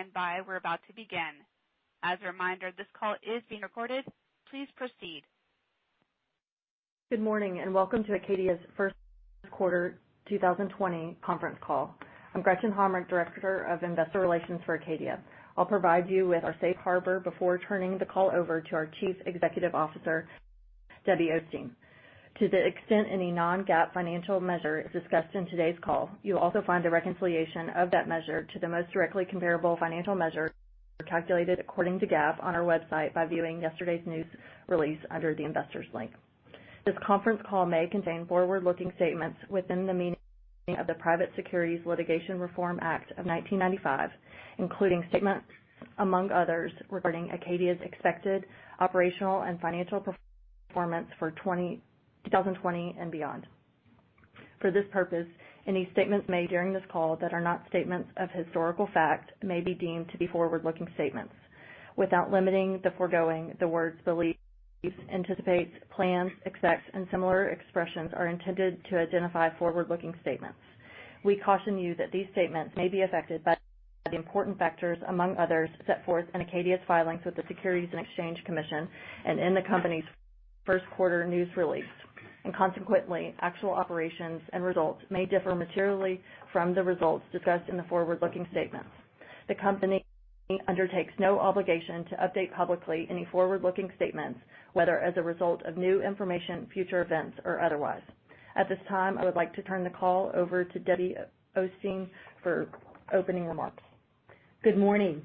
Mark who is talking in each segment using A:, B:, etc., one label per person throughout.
A: Standby. We're about to begin. As a reminder, this call is being recorded. Please proceed.
B: Good morning, and welcome to Acadia's first quarter 2020 conference call. I'm Gretchen Hommrich, Director of Investor Relations for Acadia. I'll provide you with our safe harbor before turning the call over to our Chief Executive Officer, Debbie Osteen. To the extent any non-GAAP financial measure is discussed in today's call, you'll also find a reconciliation of that measure to the most directly comparable financial measure calculated according to GAAP on our website by viewing yesterday's news release under the Investors link. This conference call may contain forward-looking statements within the meaning of the Private Securities Litigation Reform Act of 1995, including statements among others regarding Acadia's expected operational and financial performance for 2020 and beyond. For this purpose, any statements made during this call that are not statements of historical fact may be deemed to be forward-looking statements. Without limiting the foregoing, the words believe, anticipates, plans, expects, and similar expressions are intended to identify forward-looking statements. We caution you that these statements may be affected by the important factors, among others, set forth in Acadia's filings with the Securities and Exchange Commission and in the company's first quarter news release, and consequently, actual operations and results may differ materially from the results discussed in the forward-looking statements. The company undertakes no obligation to update publicly any forward-looking statements, whether as a result of new information, future events, or otherwise. At this time, I would like to turn the call over to Debbie Osteen for opening remarks.
C: Good morning.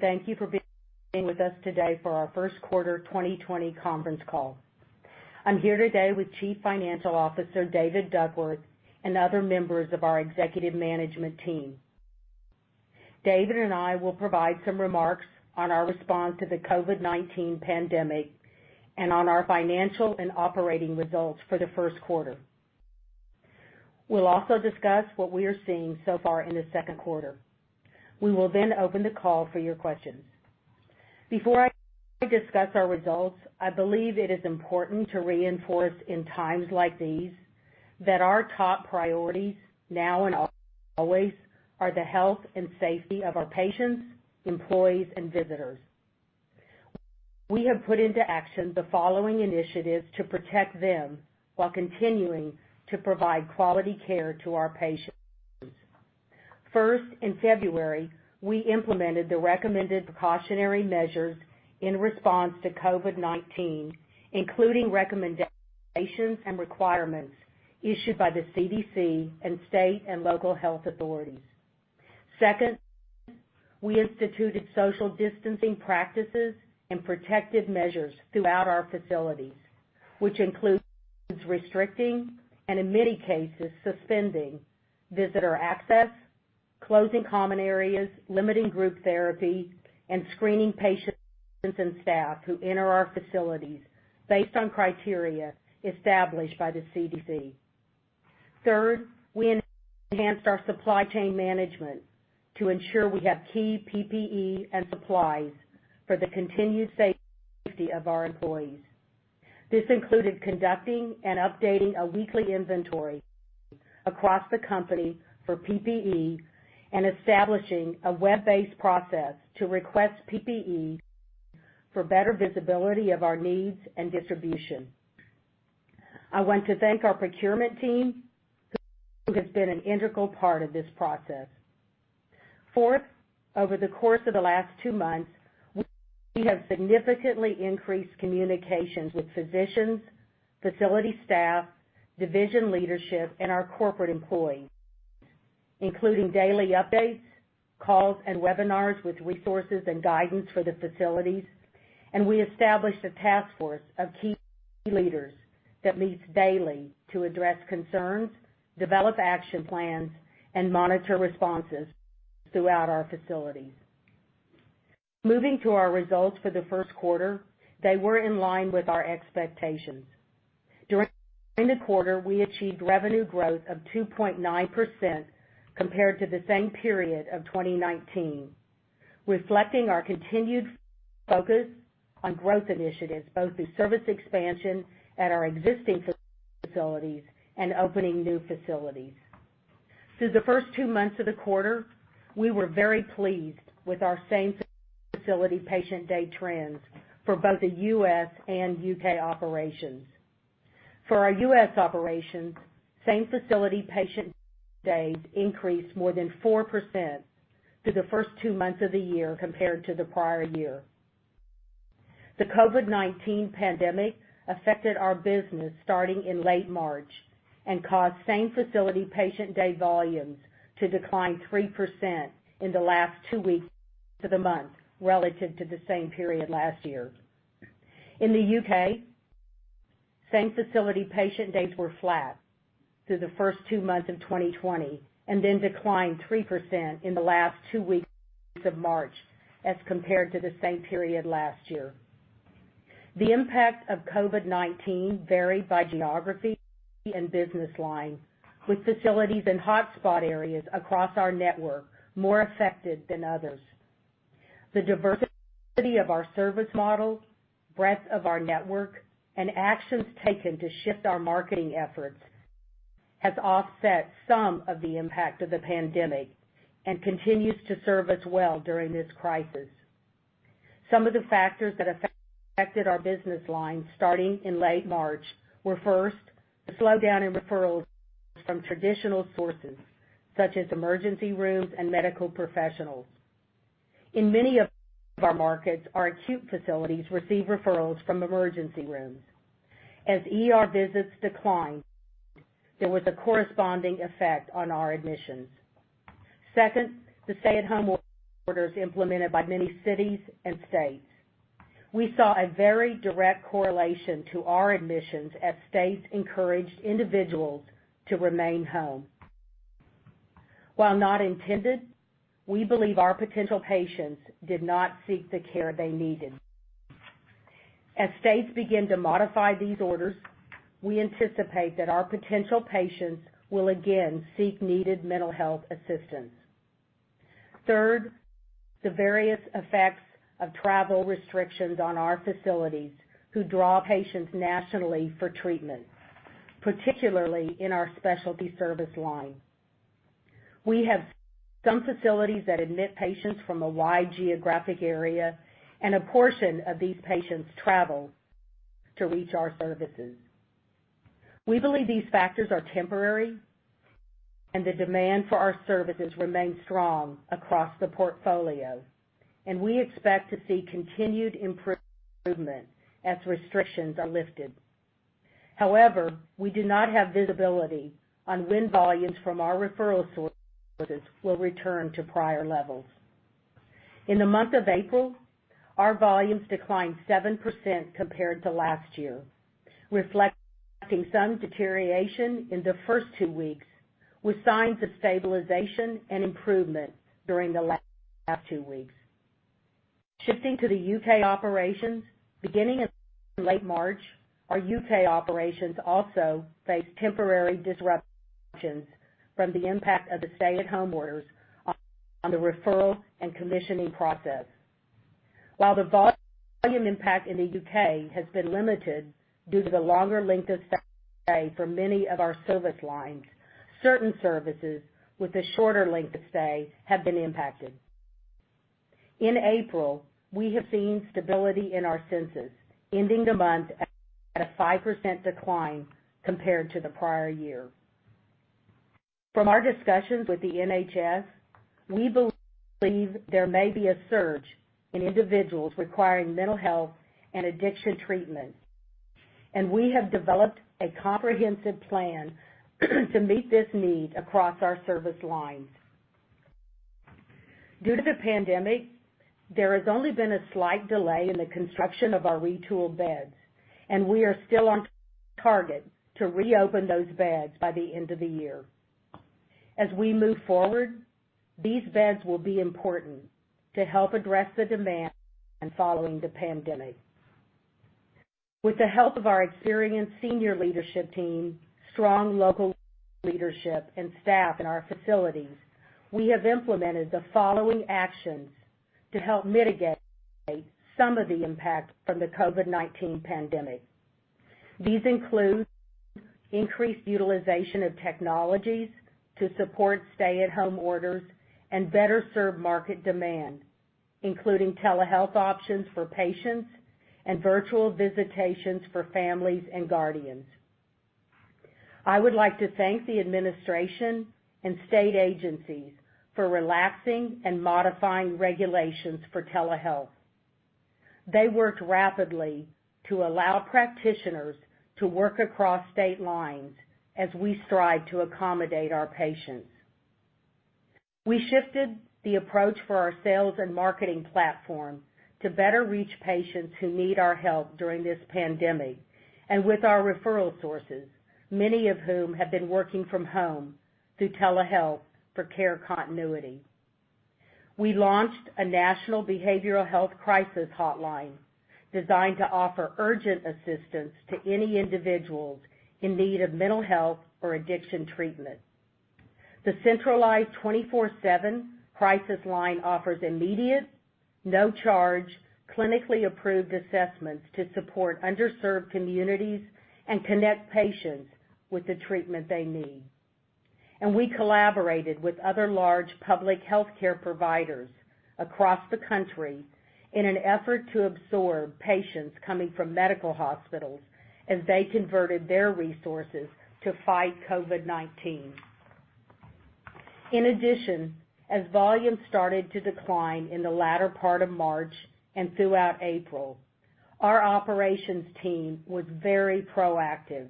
C: Thank you for being with us today for our first quarter 2020 conference call. I'm here today with Chief Financial Officer, David Duckworth, and other members of our executive management team. David and I will provide some remarks on our response to the COVID-19 pandemic and on our financial and operating results for the first quarter. We'll also discuss what we are seeing so far in the second quarter. We will open the call for your questions. Before I discuss our results, I believe it is important to reinforce in times like these that our top priorities now and always are the health and safety of our patients, employees, and visitors. We have put into action the following initiatives to protect them while continuing to provide quality care to our patients. First, in February, we implemented the recommended precautionary measures in response to COVID-19, including recommendations and requirements issued by the CDC and state and local health authorities. Second, we instituted social distancing practices and protective measures throughout our facilities, which includes restricting, and in many cases suspending, visitor access, closing common areas, limiting group therapy, and screening patients and staff who enter our facilities based on criteria established by the CDC. Third, we enhanced our supply chain management to ensure we have key PPE and supplies for the continued safety of our employees. This included conducting and updating a weekly inventory across the company for PPE and establishing a web-based process to request PPE for better visibility of our needs and distribution. I want to thank our procurement team who has been an integral part of this process. Fourth, over the course of the last two months, we have significantly increased communications with physicians, facility staff, division leadership, and our corporate employees, including daily updates, calls, and webinars with resources and guidance for the facilities. We established a task force of key leaders that meets daily to address concerns, develop action plans, and monitor responses throughout our facilities. Moving to our results for the first quarter, they were in line with our expectations. During the quarter, we achieved revenue growth of 2.9% compared to the same period of 2019, reflecting our continued focus on growth initiatives, both through service expansion at our existing facilities and opening new facilities. Through the first two months of the quarter, we were very pleased with our same-facility patient day trends for both the U.S. and U.K. operations. For our U.S. operations, same-facility patient days increased more than 4% through the first two months of the year compared to the prior year. The COVID-19 pandemic affected our business starting in late March and caused same-facility patient day volumes to decline 3% in the last two weeks of the month relative to the same period last year. In the U.K., same-facility patient days were flat through the first two months of 2020, and then declined 3% in the last two weeks of March as compared to the same period last year. The impact of COVID-19 varied by geography and business line, with facilities in hotspot areas across our network more affected than others. The diversity of our service models, breadth of our network, and actions taken to shift our marketing efforts has offset some of the impact of the pandemic and continues to serve us well during this crisis. Some of the factors that affected our business lines starting in late March were, first, the slowdown in referrals from traditional sources such as emergency rooms and medical professionals. In many of our markets, our acute facilities receive referrals from emergency rooms. As ER visits declined, there was a corresponding effect on our admissions. Second, the stay-at-home orders implemented by many cities and states. We saw a very direct correlation to our admissions as states encouraged individuals to remain home. While not intended, we believe our potential patients did not seek the care they needed. As states begin to modify these orders, we anticipate that our potential patients will again seek needed mental health assistance. Third, the various effects of travel restrictions on our facilities, who draw patients nationally for treatment, particularly in our specialty service line. We have some facilities that admit patients from a wide geographic area, and a portion of these patients travel to reach our services. We believe these factors are temporary, and the demand for our services remains strong across the portfolio, and we expect to see continued improvement as restrictions are lifted. However, we do not have visibility on when volumes from our referral sources will return to prior levels. In the month of April, our volumes declined 7% compared to last year, reflecting some deterioration in the first two weeks, with signs of stabilization and improvement during the last two weeks. Shifting to the U.K. operations, beginning in late March, our U.K. operations also faced temporary disruptions from the impact of the stay-at-home orders on the referral and commissioning process. While the volume impact in the U.K. has been limited due to the longer length of stay for many of our service lines, certain services with a shorter length of stay have been impacted. In April, we have seen stability in our census, ending the month at a 5% decline compared to the prior year. From our discussions with the NHS, we believe there may be a surge in individuals requiring mental health and addiction treatment, and we have developed a comprehensive plan to meet this need across our service lines. Due to the pandemic, there has only been a slight delay in the construction of our retooled beds, and we are still on target to reopen those beds by the end of the year. As we move forward, these beds will be important to help address the demand following the pandemic. With the help of our experienced senior leadership team, strong local leadership, and staff in our facilities, we have implemented the following actions to help mitigate some of the impact from the COVID-19 pandemic. These include increased utilization of technologies to support stay-at-home orders and better serve market demand, including telehealth options for patients and virtual visitations for families and guardians. I would like to thank the administration and state agencies for relaxing and modifying regulations for telehealth. They worked rapidly to allow practitioners to work across state lines as we strive to accommodate our patients. We shifted the approach for our sales and marketing platform to better reach patients who need our help during this pandemic and with our referral sources, many of whom have been working from home through telehealth for care continuity. We launched a national behavioral health crisis hotline designed to offer urgent assistance to any individuals in need of mental health or addiction treatment. The centralized 24/7 crisis line offers immediate, no-charge, clinically approved assessments to support underserved communities and connect patients with the treatment they need. We collaborated with other large public healthcare providers across the country in an effort to absorb patients coming from medical hospitals as they converted their resources to fight COVID-19. In addition, as volumes started to decline in the latter part of March and throughout April, our operations team was very proactive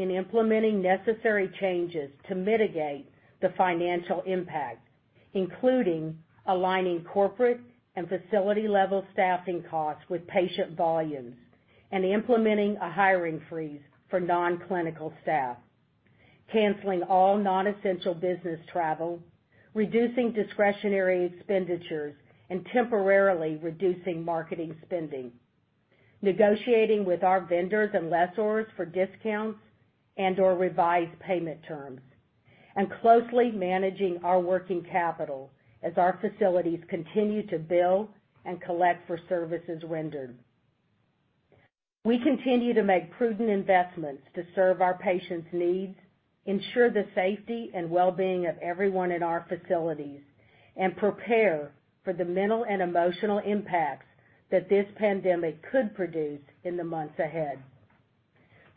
C: in implementing necessary changes to mitigate the financial impact, including aligning corporate and facility-level staffing costs with patient volumes and implementing a hiring freeze for non-clinical staff, canceling all non-essential business travel, reducing discretionary expenditures, and temporarily reducing marketing spending, negotiating with our vendors and lessors for discounts and/or revised payment terms, and closely managing our working capital as our facilities continue to bill and collect for services rendered. We continue to make prudent investments to serve our patients' needs, ensure the safety and wellbeing of everyone in our facilities, and prepare for the mental and emotional impacts that this pandemic could produce in the months ahead.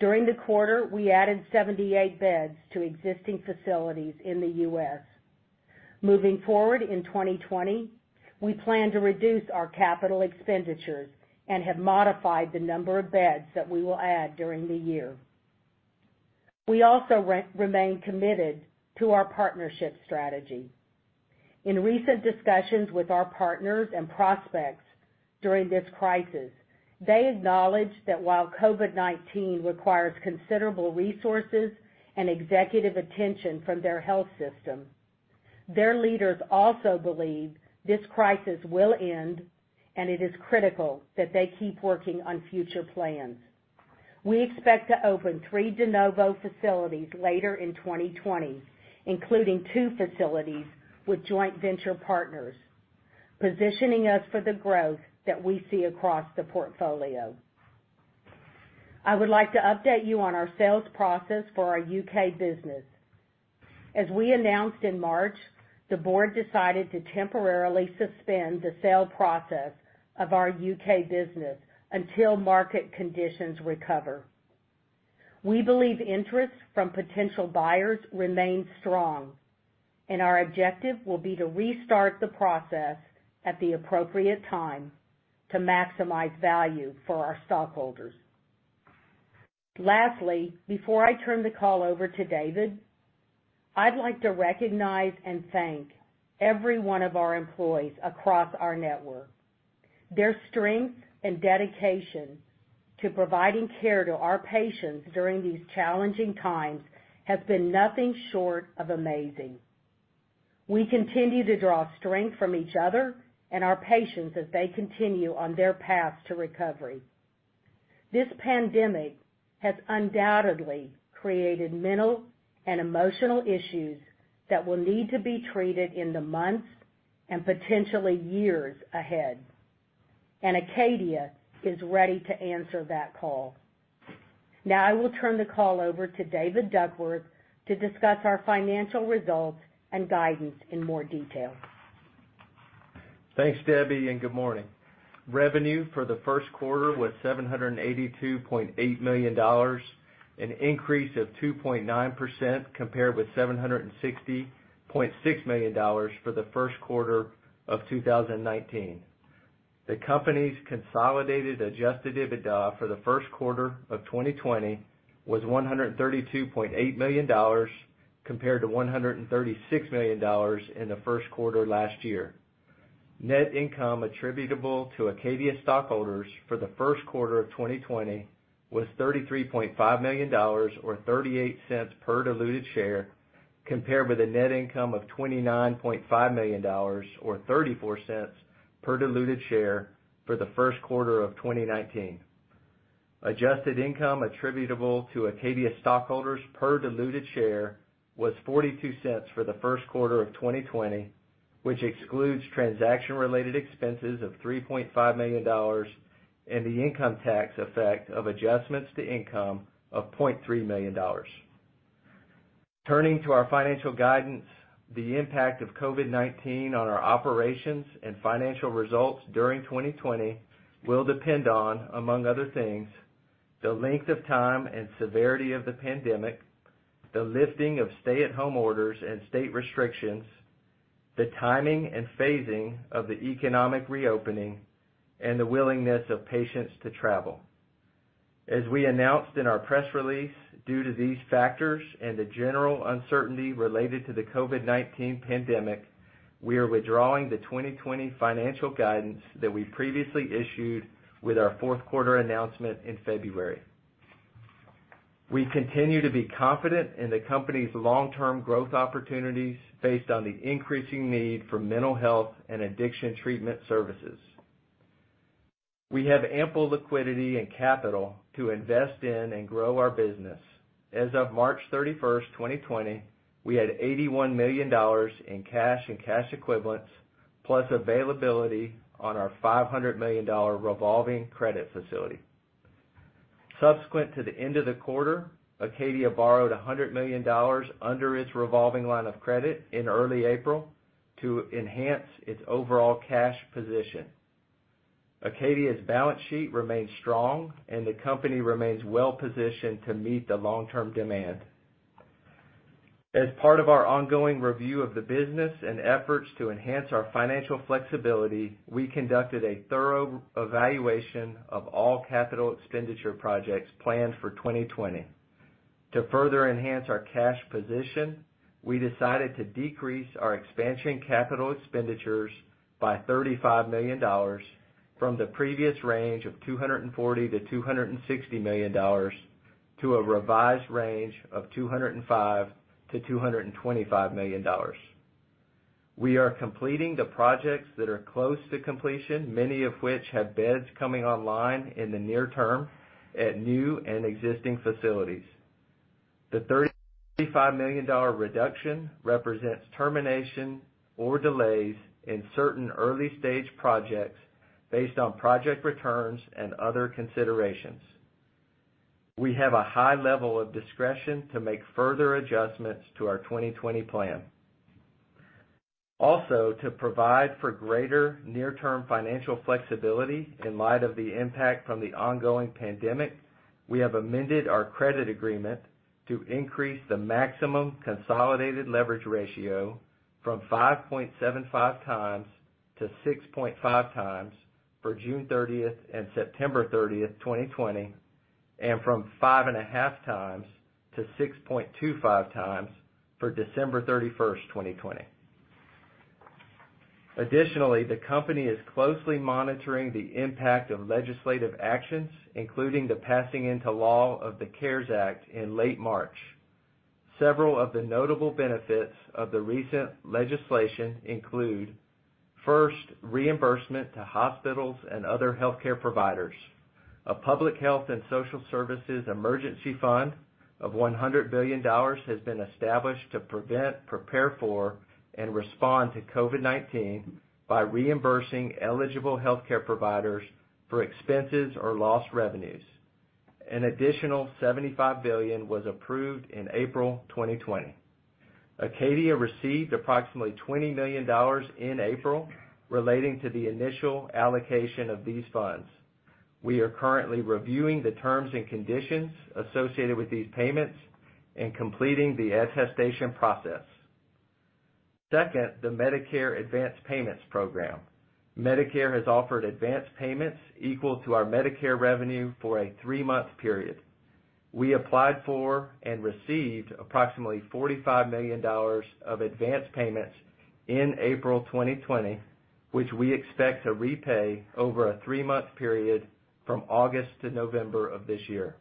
C: During the quarter, we added 78 beds to existing facilities in the U.S. Moving forward in 2020, we plan to reduce our capital expenditures and have modified the number of beds that we will add during the year. We also remain committed to our partnership strategy. In recent discussions with our partners and prospects during this crisis, they acknowledged that while COVID-19 requires considerable resources and executive attention from their health system, their leaders also believe this crisis will end, and it is critical that they keep working on future plans. We expect to open three de novo facilities later in 2020, including two facilities with joint venture partners, positioning us for the growth that we see across the portfolio. I would like to update you on our sales process for our U.K. business. As we announced in March, the board decided to temporarily suspend the sale process of our U.K. business until market conditions recover. We believe interest from potential buyers remains strong. Our objective will be to restart the process at the appropriate time to maximize value for our stockholders. Lastly, before I turn the call over to David, I'd like to recognize and thank every one of our employees across our network. Their strength and dedication to providing care to our patients during these challenging times has been nothing short of amazing. We continue to draw strength from each other and our patients as they continue on their paths to recovery. This pandemic has undoubtedly created mental and emotional issues that will need to be treated in the months and potentially years ahead. Acadia Healthcare is ready to answer that call. Now I will turn the call over to David Duckworth to discuss our financial results and guidance in more detail.
D: Thanks, Debbie. Good morning. Revenue for the first quarter was $782.8 million, an increase of 2.9% compared with $760.6 million for the first quarter of 2019. The company's consolidated adjusted EBITDA for the first quarter of 2020 was $132.8 million, compared to $136 million in the first quarter last year. Net income attributable to Acadia stockholders for the first quarter of 2020 was $33.5 million, or $0.38 per diluted share, compared with a net income of $29.5 million or $0.34 per diluted share for the first quarter of 2019. Adjusted income attributable to Acadia stockholders per diluted share was $0.42 for the first quarter of 2020, which excludes transaction-related expenses of $3.5 million and the income tax effect of adjustments to income of $0.3 million. Turning to our financial guidance, the impact of COVID-19 on our operations and financial results during 2020 will depend on, among other things, the length of time and severity of the pandemic, the lifting of stay-at-home orders and state restrictions, the timing and phasing of the economic reopening, and the willingness of patients to travel. As we announced in our press release, due to these factors and the general uncertainty related to the COVID-19 pandemic, we are withdrawing the 2020 financial guidance that we previously issued with our fourth-quarter announcement in February. We continue to be confident in the company's long-term growth opportunities based on the increasing need for mental health and addiction treatment services. We have ample liquidity and capital to invest in and grow our business. As of March 31st, 2020, we had $81 million in cash and cash equivalents, plus availability on our $500 million revolving credit facility. Subsequent to the end of the quarter, Acadia borrowed $100 million under its revolving line of credit in early April to enhance its overall cash position. Acadia's balance sheet remains strong, and the company remains well-positioned to meet the long-term demand. As part of our ongoing review of the business and efforts to enhance our financial flexibility, we conducted a thorough evaluation of all capital expenditure projects planned for 2020. To further enhance our cash position, we decided to decrease our expansion capital expenditures by $35 million from the previous range of $240 to 260 million to a revised range of $205 to 225 million. We are completing the projects that are close to completion, many of which have beds coming online in the near term at new and existing facilities. The $35 million reduction represents termination or delays in certain early-stage projects based on project returns and other considerations. We have a high level of discretion to make further adjustments to our 2020 plan. To provide for greater near-term financial flexibility in light of the impact from the ongoing pandemic, we have amended our credit agreement to increase the maximum consolidated leverage ratio from 5.75x to 6.5x for June 30th and September 30th, 2020, and from 5.5x to 6.25x for December 31st, 2020. The company is closely monitoring the impact of legislative actions, including the passing into law of the CARES Act in late March. Several of the notable benefits of the recent legislation include, first, reimbursement to hospitals and other healthcare providers. A public health and social services emergency fund of $100 billion has been established to prevent, prepare for, and respond to COVID-19 by reimbursing eligible healthcare providers for expenses or lost revenues. An additional $75 billion was approved in April 2020. Acadia received approximately $20 million in April relating to the initial allocation of these funds. We are currently reviewing the terms and conditions associated with these payments and completing the attestation process. Second, the Medicare Accelerated and Advance Payment Program. Medicare has offered advanced payments equal to our Medicare revenue for a three-month period. We applied for and received approximately $45 million of advanced payments in April 2020, which we expect to repay over a three-month period from August to November of this year.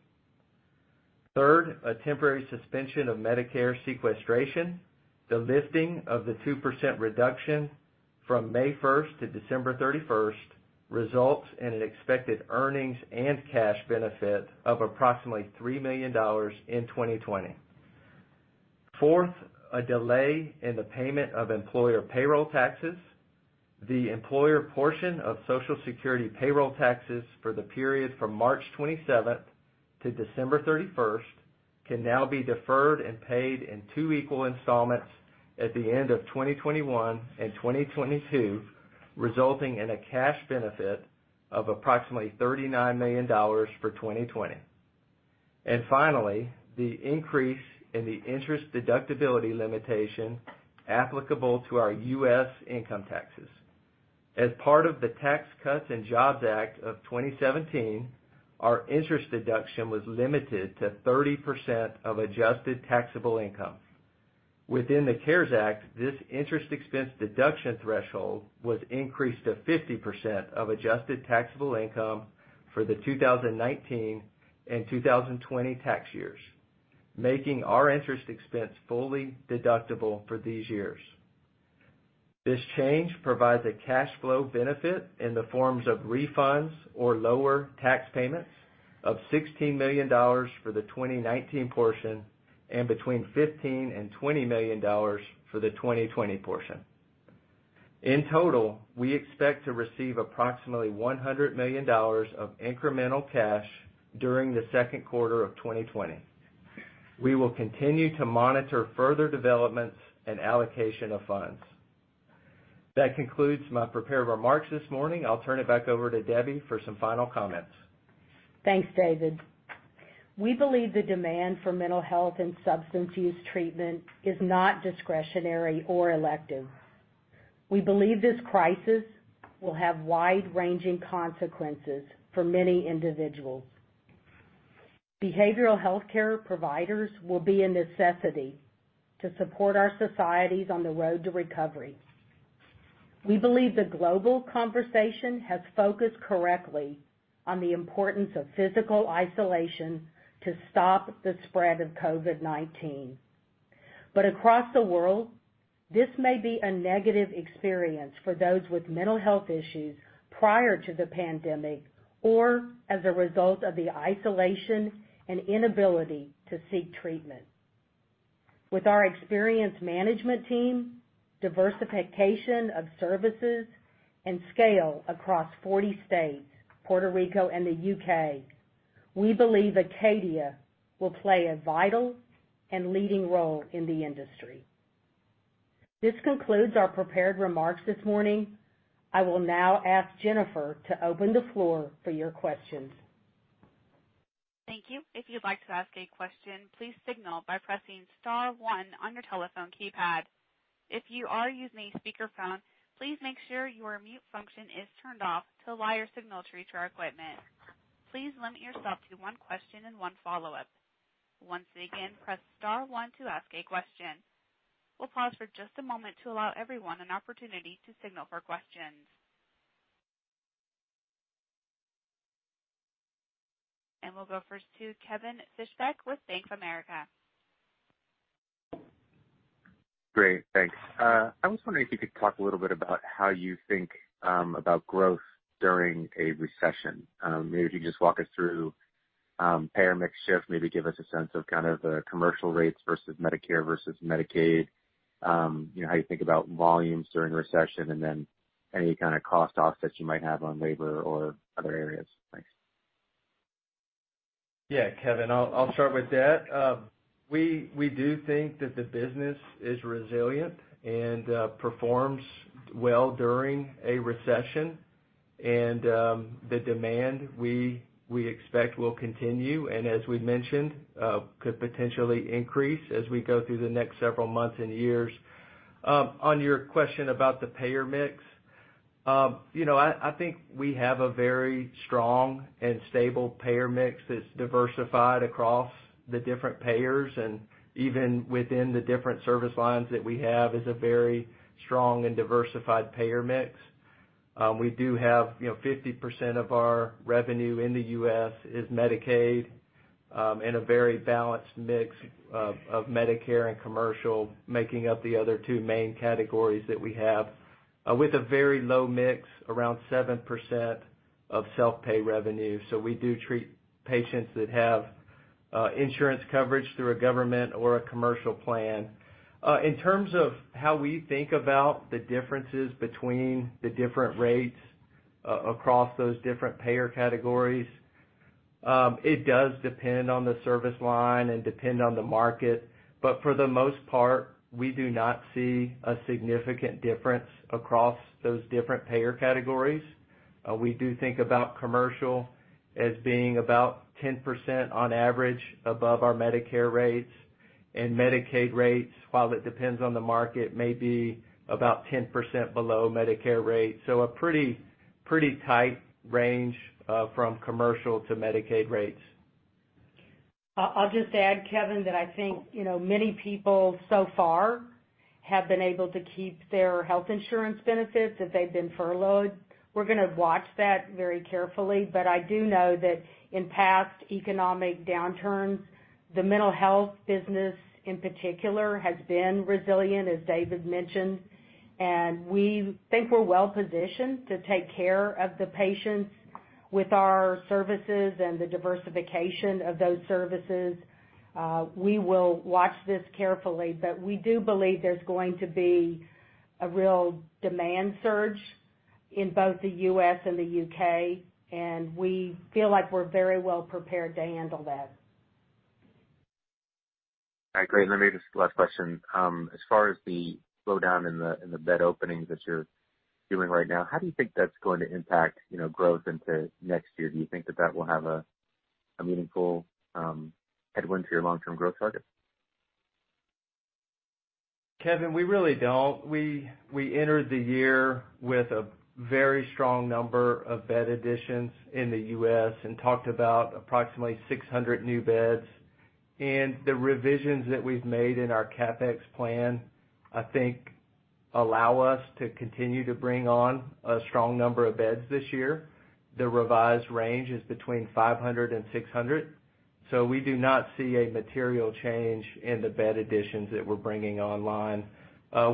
D: Third, a temporary suspension of Medicare sequestration. The lifting of the 2% reduction from May 1st to December 31st results in an expected earnings and cash benefit of approximately $3 million in 2020. Fourth, a delay in the payment of employer payroll taxes. The employer portion of Social Security payroll taxes for the period from March 27th to December 31st can now be deferred and paid in two equal installments at the end of 2021 and 2022, resulting in a cash benefit of approximately $39 million for 2020. Finally, the increase in the interest deductibility limitation applicable to our U.S. income taxes. As part of the Tax Cuts and Jobs Act of 2017, our interest deduction was limited to 30% of adjusted taxable income. Within the CARES Act, this interest expense deduction threshold was increased to 50% of adjusted taxable income for the 2019 and 2020 tax years, making our interest expense fully deductible for these years. This change provides a cash flow benefit in the forms of refunds or lower tax payments of $16 million for the 2019 portion and between $15 million and $20 million for the 2020 portion. In total, we expect to receive approximately $100 million of incremental cash during the second quarter of 2020. We will continue to monitor further developments and allocation of funds. That concludes my prepared remarks this morning. I'll turn it back over to Debbie for some final comments.
C: Thanks, David. We believe the demand for mental health and substance use treatment is not discretionary or elective. We believe this crisis will have wide-ranging consequences for many individuals. Behavioral healthcare providers will be a necessity to support our societies on the road to recovery. We believe the global conversation has focused correctly on the importance of physical isolation to stop the spread of COVID-19. Across the world, this may be a negative experience for those with mental health issues prior to the pandemic, or as a result of the isolation and inability to seek treatment. With our experienced management team, diversification of services, and scale across 40 states, Puerto Rico, and the U.K., we believe Acadia will play a vital and leading role in the industry. This concludes our prepared remarks this morning. I will now ask Jennifer to open the floor for your questions.
A: Thank you. If you'd like to ask a question, please signal by pressing star one on your telephone keypad. If you are using a speakerphone, please make sure your mute function is turned off to allow your signal to reach our equipment. Please limit yourself to one question and one follow-up. Once again, press star one to ask a question. We'll pause for just a moment to allow everyone an opportunity to signal for questions. We'll go first to Kevin Fischbeck with Bank of America.
E: Great. Thanks. I was wondering if you could talk a little bit about how you think about growth during a recession. Maybe if you could just walk us through payer mix shift, maybe give us a sense of commercial rates versus Medicare versus Medicaid. How you think about volumes during recession, and then any kind of cost offsets you might have on labor or other areas. Thanks.
D: Yeah, Kevin, I'll start with that. We do think that the business is resilient and performs well during a recession. The demand, we expect will continue, and as we mentioned, could potentially increase as we go through the next several months and years. On your question about the payer mix. I think we have a very strong and stable payer mix that's diversified across the different payers, and even within the different service lines that we have, is a very strong and diversified payer mix. We do have 50% of our revenue in the U.S. is Medicaid, and a very balanced mix of Medicare and commercial making up the other two main categories that we have, with a very low mix, around 7% of self-pay revenue. We do treat patients that have insurance coverage through a government or a commercial plan. In terms of how we think about the differences between the different rates across those different payer categories, it does depend on the service line and depend on the market. For the most part, we do not see a significant difference across those different payer categories. We do think about commercial as being about 10% on average above our Medicare rates. Medicaid rates, while it depends on the market, may be about 10% below Medicare rates. A pretty tight range, from commercial to Medicaid rates.
C: I'll just add, Kevin, that I think, many people so far have been able to keep their health insurance benefits if they've been furloughed. We're going to watch that very carefully. I do know that in past economic downturns, the mental health business in particular has been resilient, as David mentioned. We think we're well-positioned to take care of the patients with our services and the diversification of those services. We will watch this carefully, but we do believe there's going to be a real demand surge in both the U.S. and the U.K., and we feel like we're very well prepared to handle that.
E: All right, great. Let me raise this last question. As far as the slowdown in the bed openings that you're doing right now, how do you think that's going to impact growth into next year? Do you think that that will have a meaningful headwind to your long-term growth targets?
D: Kevin, we really don't. We entered the year with a very strong number of bed additions in the U.S. and talked about approximately 600 new beds. The revisions that we've made in our CapEx plan, I think, allow us to continue to bring on a strong number of beds this year. The revised range is between 500 and 600. We do not see a material change in the bed additions that we're bringing online,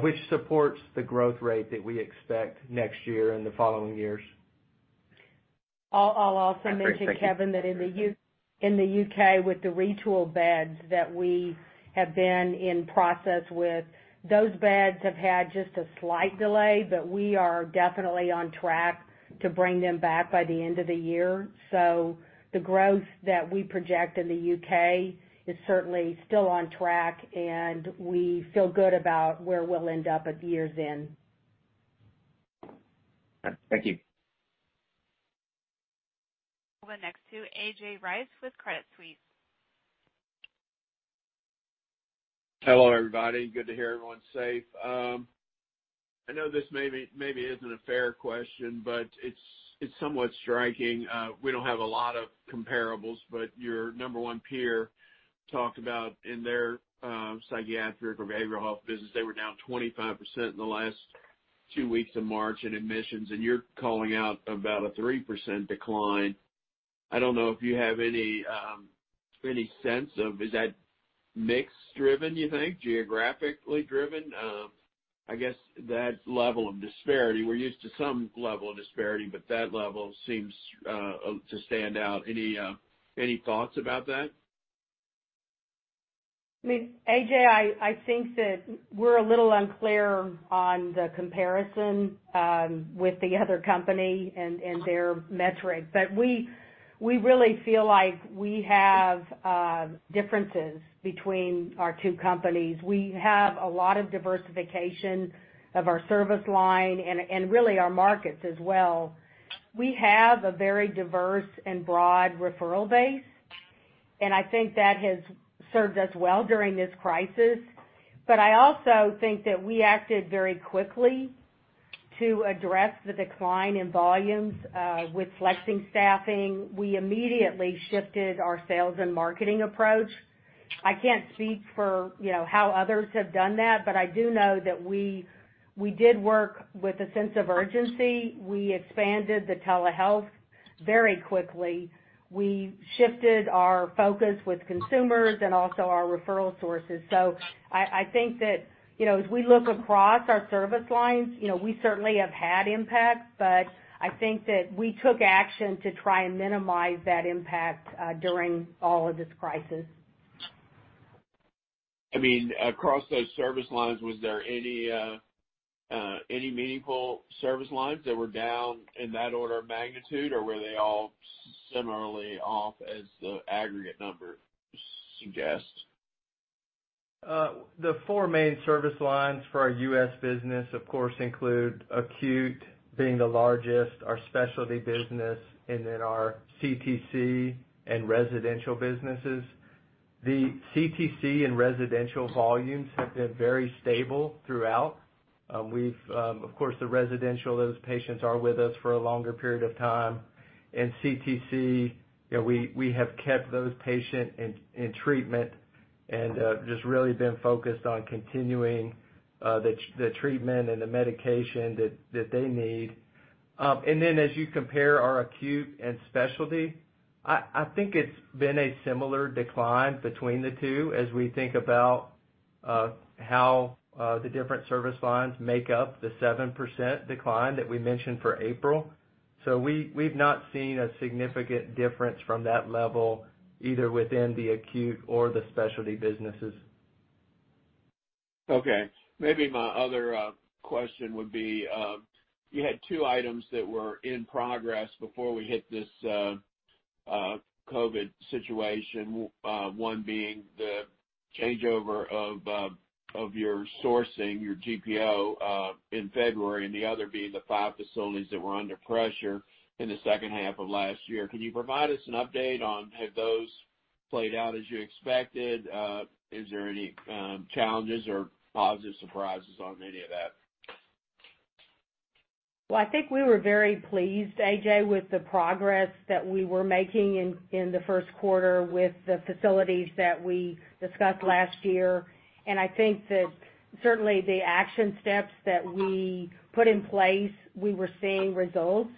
D: which supports the growth rate that we expect next year and the following years.
C: I'll also mention, Kevin, that in the U.K., with the retooled beds that we have been in process with, those beds have had just a slight delay, but we are definitely on track to bring them back by the end of the year. The growth that we project in the U.K. is certainly still on track, and we feel good about where we'll end up at year's end.
E: Thank you.
A: We'll go next to A.J. Rice with Credit Suisse.
F: Hello, everybody. Good to hear everyone's safe. I know this maybe isn't a fair question, but it's somewhat striking. We don't have a lot of comparables, but your number one peer talked about in their psychiatric behavioral health business, they were down 25% in the last two weeks of March in admissions, and you're calling out about a 3% decline. I don't know if you have any sense of, is that mix driven, you think? Geographically driven? I guess that level of disparity, we're used to some level of disparity, but that level seems to stand out. Any thoughts about that?
C: A.J., I think that we're a little unclear on the comparison with the other company and their metrics. We really feel like we have differences between our two companies. We have a lot of diversification of our service line and really our markets as well. We have a very diverse and broad referral base, and I think that has served us well during this crisis. I also think that we acted very quickly to address the decline in volumes with flexing staffing. We immediately shifted our sales and marketing approach. I can't speak for how others have done that, but I do know that we did work with a sense of urgency. We expanded the telehealth very quickly, we shifted our focus with consumers and also our referral sources. I think that as we look across our service lines, we certainly have had impacts, but I think that we took action to try and minimize that impact during all of this crisis.
F: Across those service lines, was there any meaningful service lines that were down in that order of magnitude, or were they all similarly off as the aggregate number suggests?
D: The four main service lines for our U.S. business, of course, include acute being the largest, our specialty business, and then our CTC and residential businesses. The CTC and residential volumes have been very stable throughout. Of course, the residential, those patients are with us for a longer period of time. CTC, we have kept those patient in treatment and just really been focused on continuing the treatment and the medication that they need. Then as you compare our acute and specialty, I think it's been a similar decline between the two as we think about how the different service lines make up the 7% decline that we mentioned for April. We've not seen a significant difference from that level, either within the acute or the specialty businesses.
F: Okay. Maybe my other question would be, you had two items that were in progress before we hit this COVID situation. One being the changeover of your sourcing, your GPO, in February, and the other being the five facilities that were under pressure in the second half of last year. Can you provide us an update on, have those played out as you expected? Is there any challenges or positive surprises on any of that?
C: I think we were very pleased, A.J., with the progress that we were making in the first quarter with the facilities that we discussed last year. I think that certainly the action steps that we put in place, we were seeing results.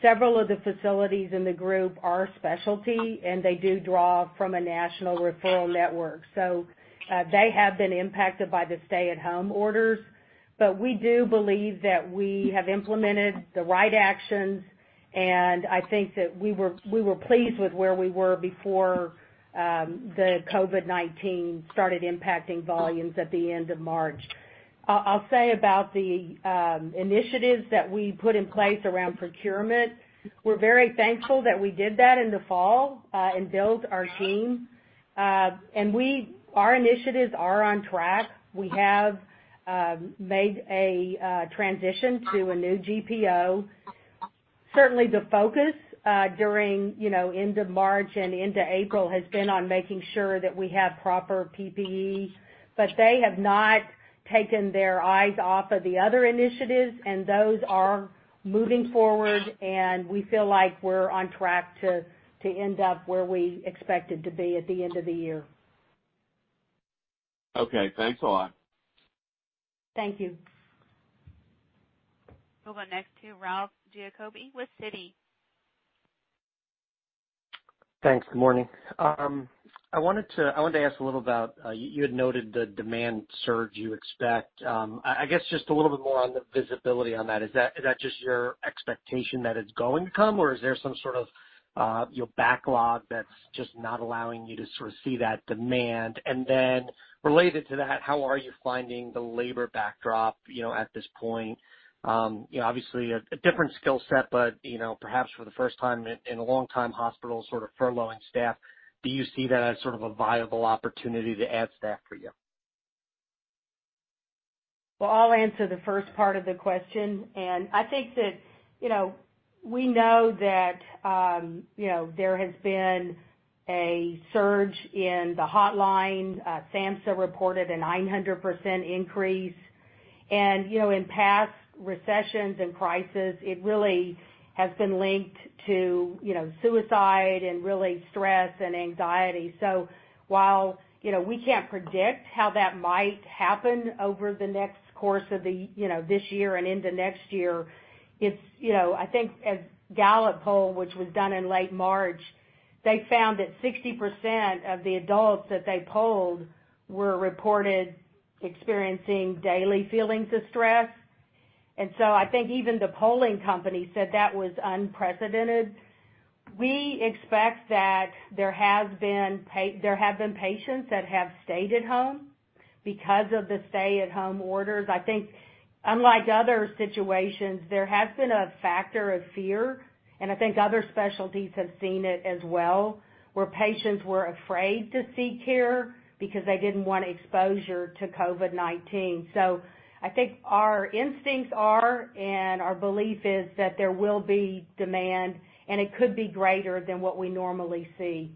C: Several of the facilities in the group are specialty, and they do draw from a national referral network. They have been impacted by the stay-at-home orders. We do believe that we have implemented the right actions, and I think that we were pleased with where we were before the COVID-19 started impacting volumes at the end of March. I'll say about the initiatives that we put in place around procurement, we're very thankful that we did that in the fall and built our team. Our initiatives are on track. We have made a transition to a new GPO. Certainly, the focus during end of March and into April has been on making sure that we have proper PPE, but they have not taken their eyes off of the other initiatives, and those are moving forward, and we feel like we're on track to end up where we expected to be at the end of the year.
F: Okay, thanks a lot.
C: Thank you.
A: We'll go next to Ralph Giacobbe with Citi.
G: Thanks. Good morning. I wanted to ask a little about, you had noted the demand surge you expect. I guess just a little bit more on the visibility on that. Is that just your expectation that it's going to come, or is there some sort of backlog that's just not allowing you to sort of see that demand? Related to that, how are you finding the labor backdrop at this point? Obviously, a different skill set, but perhaps for the first time in a long time, hospitals sort of furloughing staff. Do you see that as sort of a viable opportunity to add staff for you?
C: Well, I'll answer the first part of the question. I think that we know that there has been a surge in the hotline. SAMHSA reported a 900% increase. In past recessions and crises, it really has been linked to suicide and really stress and anxiety. While we can't predict how that might happen over the next course of this year and into next year, I think a Gallup poll, which was done in late March, they found that 60% of the adults that they polled were reported experiencing daily feelings of stress. I think even the polling company said that was unprecedented. We expect that there have been patients that have stayed at home because of the stay-at-home orders. I think unlike other situations, there has been a factor of fear, and I think other specialties have seen it as well, where patients were afraid to seek care because they didn't want exposure to COVID-19. I think our instincts are, and our belief is that there will be demand, and it could be greater than what we normally see.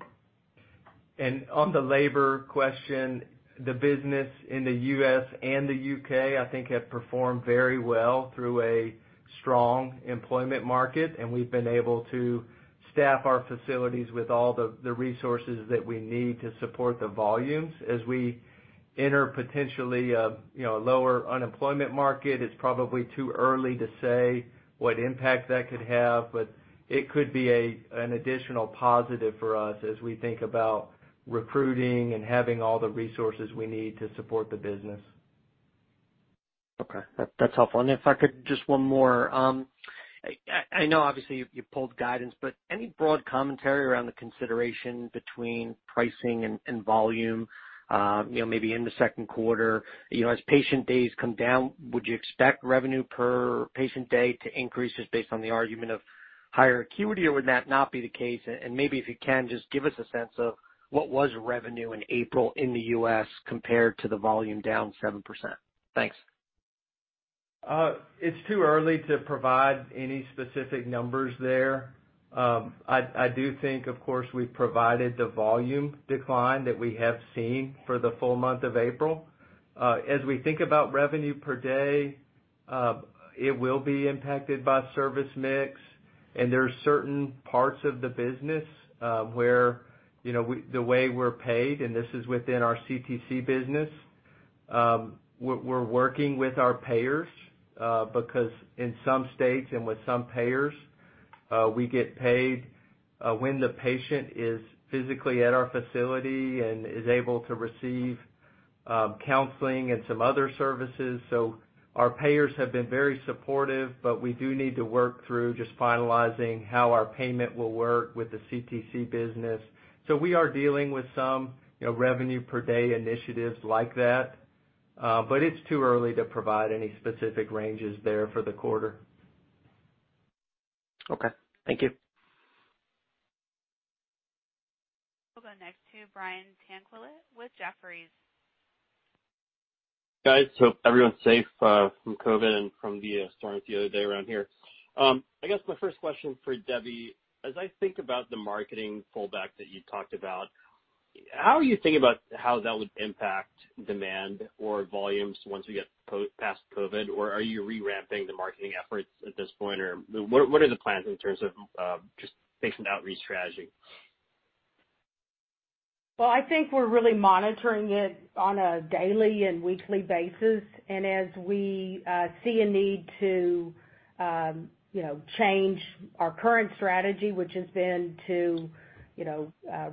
D: On the labor question, the business in the U.S. and the U.K., I think, have performed very well through a strong employment market, and we've been able to staff our facilities with all the resources that we need to support the volumes. As we enter potentially a lower unemployment market, it's probably too early to say what impact that could have, but it could be an additional positive for us as we think about recruiting and having all the resources we need to support the business.
G: Okay, that's helpful. If I could, just one more. I know obviously you pulled guidance, any broad commentary around the consideration between pricing and volume maybe in the second quarter. As patient days come down, would you expect revenue per patient day to increase just based on the argument of higher acuity, or would that not be the case? Maybe if you can, just give us a sense of what was revenue in April in the U.S. compared to the volume down 7%. Thanks.
D: It's too early to provide any specific numbers there. I do think, of course, we've provided the volume decline that we have seen for the full month of April. As we think about revenue per day, it will be impacted by service mix, and there are certain parts of the business where the way we're paid, and this is within our CTC business, we're working with our payers. Because in some states and with some payers, we get paid when the patient is physically at our facility and is able to receive counseling and some other services. Our payers have been very supportive, but we do need to work through just finalizing how our payment will work with the CTC business. We are dealing with some revenue per day initiatives like that. It's too early to provide any specific ranges there for the quarter.
G: Okay, thank you.
A: We'll go next to Brian Tanquilut with Jefferies.
H: Guys, hope everyone's safe from COVID and from the storms the other day around here. I guess my first question for Debbie. As I think about the marketing pullback that you talked about, how are you thinking about how that would impact demand or volumes once we get past COVID? Or are you re-ramping the marketing efforts at this point? Or what are the plans in terms of just patient outreach strategy?
C: Well, I think we're really monitoring it on a daily and weekly basis. As we see a need to change our current strategy, which has been to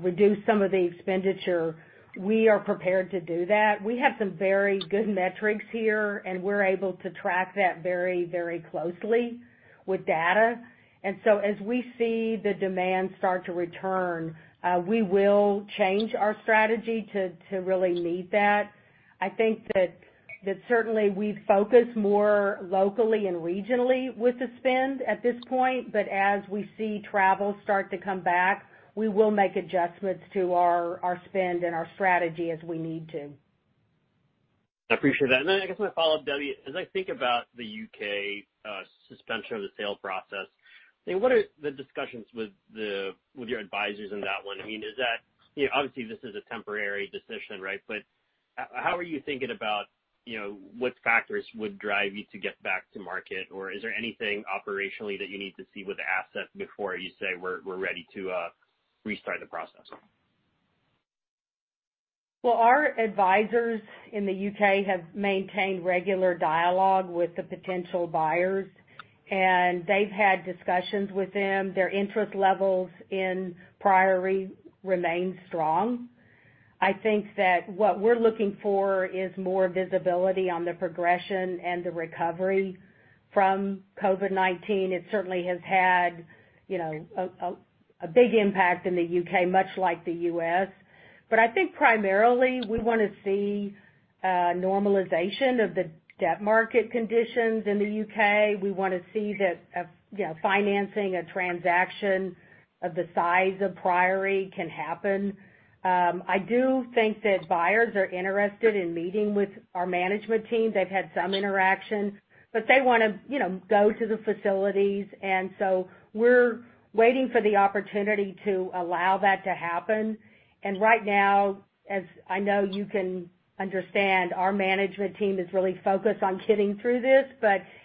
C: reduce some of the expenditure, we are prepared to do that. We have some very good metrics here, and we're able to track that very closely with data. As we see the demand start to return, we will change our strategy to really meet that. I think that certainly we focus more locally and regionally with the spend at this point. As we see travel start to come back, we will make adjustments to our spend and our strategy as we need to.
H: I appreciate that. I guess my follow-up, Debbie, as I think about the U.K. suspension of the sale process, what are the discussions with your advisors in that one? Obviously, this is a temporary decision. How are you thinking about what factors would drive you to get back to market? Or is there anything operationally that you need to see with the asset before you say, "We're ready to restart the process"?
C: Well, our advisors in the U.K. have maintained regular dialogue with the potential buyers, and they've had discussions with them. Their interest levels in Priory remain strong. I think that what we're looking for is more visibility on the progression and the recovery from COVID-19. It certainly has had a big impact in the U.K., much like the U.S. I think primarily we want to see a normalization of the debt market conditions in the U.K. We want to see that financing a transaction of the size of Priory can happen. I do think that buyers are interested in meeting with our management team. They've had some interaction, but they want to go to the facilities. We're waiting for the opportunity to allow that to happen. Right now, as I know you can understand, our management team is really focused on getting through this.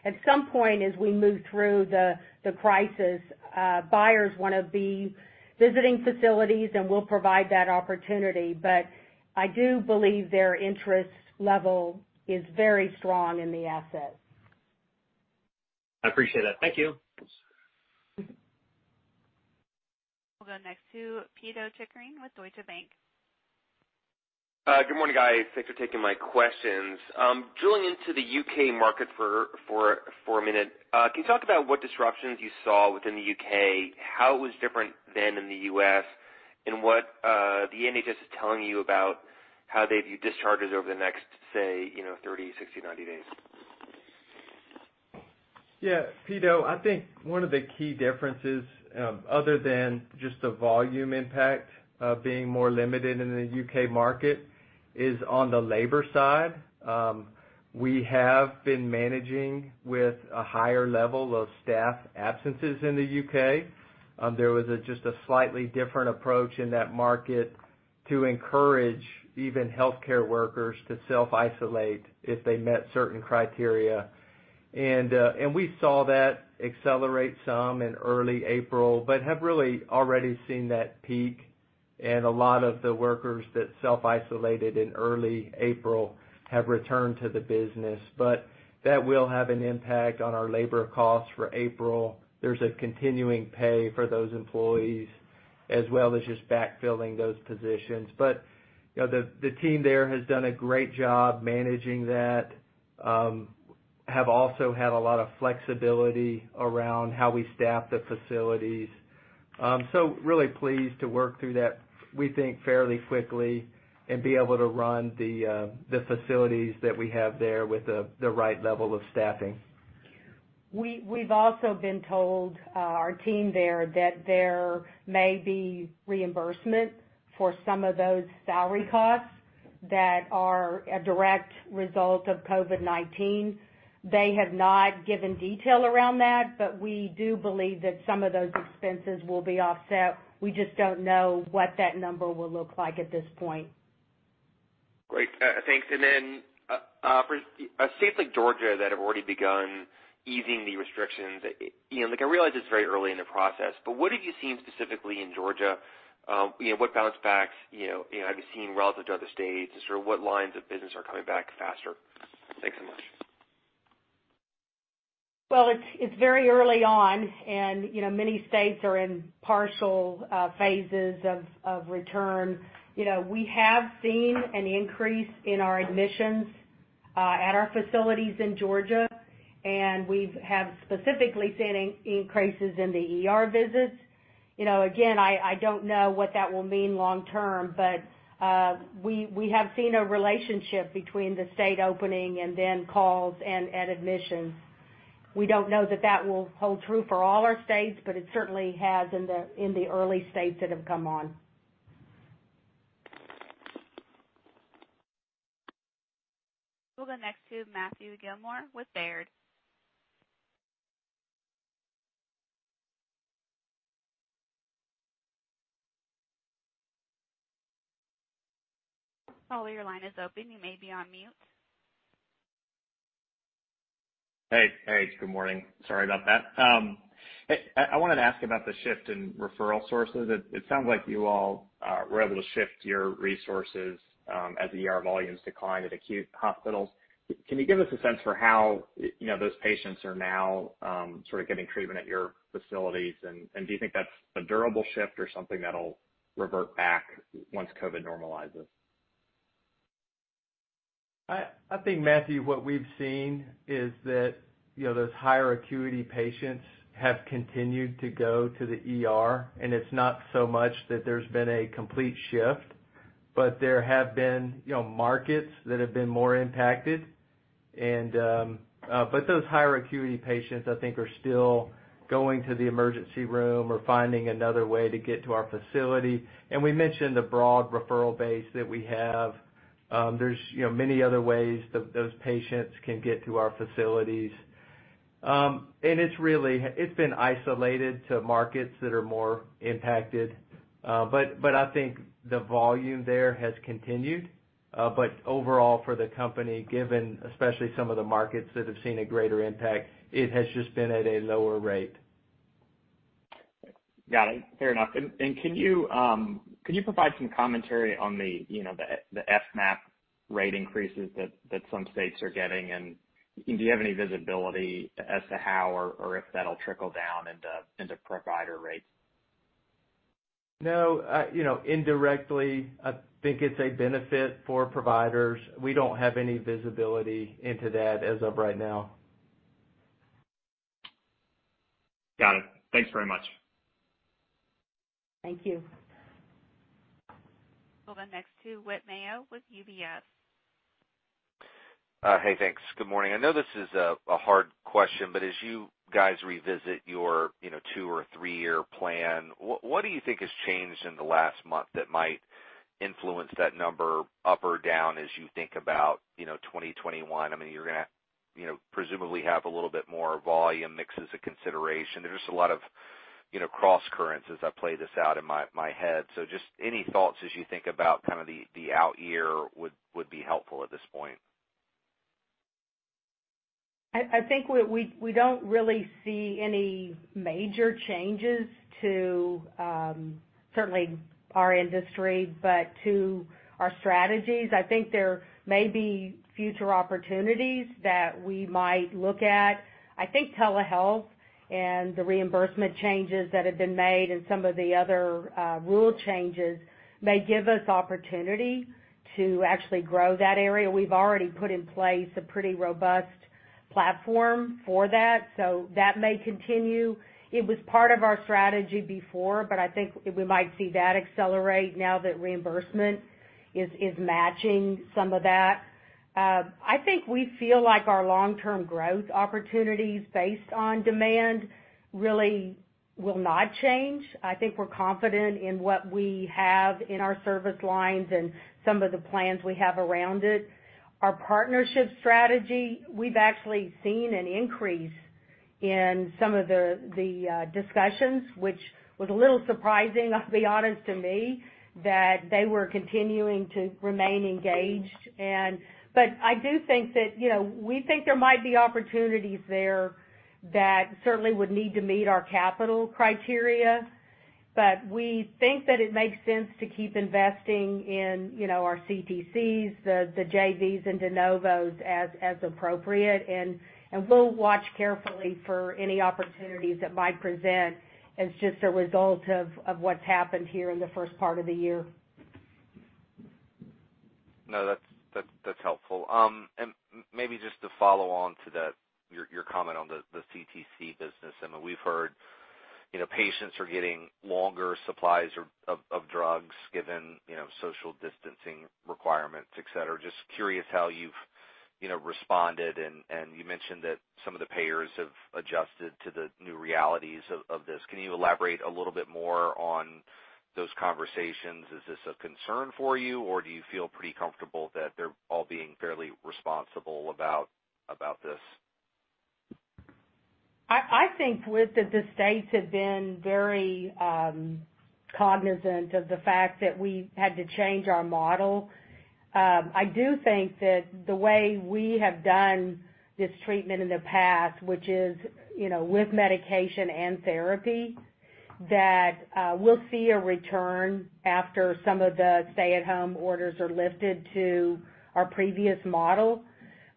C: At some point, as we move through the crisis, buyers want to be visiting facilities, and we'll provide that opportunity. I do believe their interest level is very strong in the asset.
H: I appreciate that. Thank you.
A: We'll go next to Pito Chickering with Deutsche Bank.
I: Good morning, guys. Thanks for taking my questions. Drilling into the U.K. market for a minute. Can you talk about what disruptions you saw within the U.K., how it was different than in the U.S., and what the NHS is telling you about how they view discharges over the next, say, 30, 60, 90 days?
D: Pito, I think one of the key differences, other than just the volume impact of being more limited in the U.K. market, is on the labor side. We have been managing with a higher level of staff absences in the U.K. There was just a slightly different approach in that market to encourage even healthcare workers to self-isolate if they met certain criteria. We saw that accelerate some in early April, but have really already seen that peak. A lot of the workers that self-isolated in early April have returned to the business. That will have an impact on our labor costs for April. There's a continuing pay for those employees as well as just backfilling those positions. The team there has done a great job managing that. We have also had a lot of flexibility around how we staff the facilities. Really pleased to work through that, we think, fairly quickly and be able to run the facilities that we have there with the right level of staffing.
C: We've also been told, our team there, that there may be reimbursement for some of those salary costs that are a direct result of COVID-19. They have not given detail around that. We do believe that some of those expenses will be offset. We just don't know what that number will look like at this point.
I: Great. Thanks. For a state like Georgia that have already begun easing the restrictions, I realize it's very early in the process, but what have you seen specifically in Georgia? What bounce backs have you seen relative to other states? Sort of what lines of business are coming back faster? Thanks so much.
C: Well, it's very early on, and many states are in partial phases of return. We have seen an increase in our admissions at our facilities in Georgia, and we have specifically seen increases in the ER visits. Again, I don't know what that will mean long term, but we have seen a relationship between the state opening and then calls and admissions. We don't know that that will hold true for all our states, but it certainly has in the early states that have come on.
A: We'll go next to Matthew Gillmor with Baird. Matthew, your line is open. You may be on mute.
J: Hey. Good morning. Sorry about that. I wanted to ask about the shift in referral sources. It sounds like you all were able to shift your resources as ER volumes declined at acute hospitals. Can you give us a sense for how those patients are now sort of getting treatment at your facilities? Do you think that's a durable shift or something that'll revert back once COVID normalizes?
D: I think, Matthew, what we've seen is that those higher acuity patients have continued to go to the ER. It's not so much that there's been a complete shift, there have been markets that have been more impacted. Those higher acuity patients, I think, are still going to the emergency room or finding another way to get to our facility. We mentioned the broad referral base that we have. There's many other ways those patients can get to our facilities. It's been isolated to markets that are more impacted. I think the volume there has continued. Overall for the company, given especially some of the markets that have seen a greater impact, it has just been at a lower rate.
J: Got it. Fair enough. Can you provide some commentary on the FMAP rate increases that some states are getting? Do you have any visibility as to how or if that'll trickle down into provider rates?
D: No. Indirectly, I think it's a benefit for providers. We don't have any visibility into that as of right now.
J: Got it. Thanks very much.
C: Thank you.
A: We'll go next to Whit Mayo with UBS.
K: Hey, thanks. Good morning. I know this is a hard question. As you guys revisit your two or three-year plan, what do you think has changed in the last month that might influence that number up or down as you think about 2021? I mean, you're going to presumably have a little bit more volume mix as a consideration. There's just a lot of cross-currents as I play this out in my head. Just any thoughts as you think about the out year would be helpful at this point.
C: I think we don't really see any major changes to certainly our industry, but to our strategies. I think there may be future opportunities that we might look at. I think telehealth and the reimbursement changes that have been made and some of the other rule changes may give us opportunity to actually grow that area. We've already put in place a pretty robust platform for that, so that may continue. It was part of our strategy before, but I think we might see that accelerate now that reimbursement is matching some of that. I think we feel like our long-term growth opportunities based on demand really will not change. I think we're confident in what we have in our service lines and some of the plans we have around it. Our partnership strategy, we've actually seen an increase in some of the discussions, which was a little surprising, I'll be honest to me, that they were continuing to remain engaged. I do think that we think there might be opportunities there that certainly would need to meet our capital criteria, but we think that it makes sense to keep investing in our CTCs, the JVs, and de novos as appropriate. We'll watch carefully for any opportunities that might present as just a result of what's happened here in the first part of the year.
K: No, that's helpful. Maybe just to follow on to your comment on the CTC business. [Emma], we've heard patients are getting longer supplies of drugs given social distancing requirements, et cetera. Just curious how you've responded, and you mentioned that some of the payers have adjusted to the new realities of this. Can you elaborate a little bit more on those conversations? Is this a concern for you, or do you feel pretty comfortable that they're all being fairly responsible about this?
C: I think that the states have been very cognizant of the fact that we've had to change our model. I do think that the way we have done this treatment in the past, which is with medication and therapy, that we'll see a return after some of the stay-at-home orders are lifted to our previous model.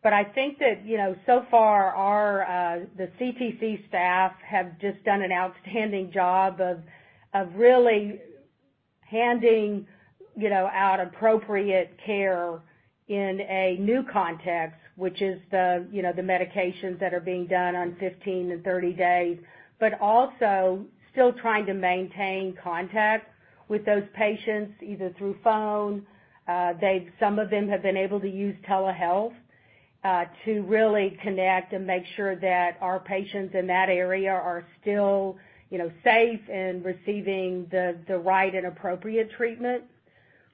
C: I think that so far, the CTC staff have just done an outstanding job of really handing out appropriate care in a new context, which is the medications that are being done on 15 to 30 days. Also still trying to maintain contact with those patients, either through phone. Some of them have been able to use telehealth, to really connect and make sure that our patients in that area are still safe and receiving the right and appropriate treatment.